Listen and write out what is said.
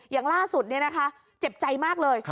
อย่างล่าสุดเนี่ยนะคะเจ็บใจมากเลย